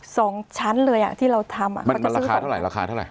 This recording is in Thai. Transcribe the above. สองชั้นเลยอ่ะที่เราทำอ่ะมันก็ราคาเท่าไหราคาเท่าไห